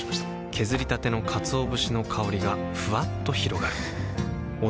削りたてのかつお節の香りがふわっと広がるはぁ。